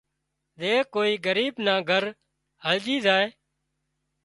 زي ڪوئي ڳريٻ نان گھر هرڄي زائي